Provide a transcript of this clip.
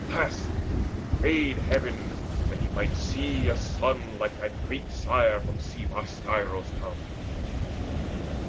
Last, he prayed Heaven that he might see a son Like that great sire from sea washed Scyros come.